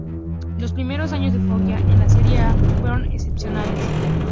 Los primeros años del Foggia en la Serie A fueron excepcionales.